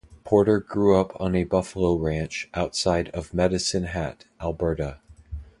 Porter grew up on a buffalo ranch outside of Medicine Hat, Alberta.